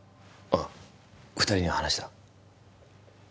あっ二人には話した？